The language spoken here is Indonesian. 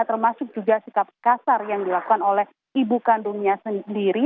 termasuk juga sikap kasar yang dilakukan oleh ibu kandungnya sendiri